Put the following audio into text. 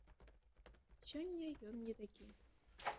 Сёння ён не такі.